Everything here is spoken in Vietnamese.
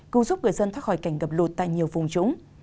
cứu giúp người dân thoát khỏi cảnh gặp lột tại nhiều vùng trúng